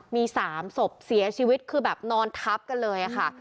มี๓ศพเสียชีวิตคือแบบนอนทับกันเลยค่ะ